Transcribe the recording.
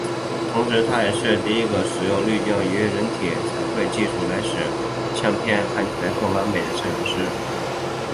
同时他也是第一个使用滤镜与人体彩绘技术来使相片看起来更完美的摄影师。